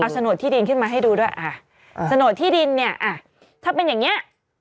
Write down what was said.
เอาสนดที่ดินขึ้นมาให้ดูด้วยสนดที่ดินเนี่ยถ้าเป็นอย่างเงี้ย